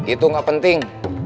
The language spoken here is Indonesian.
itu gak penting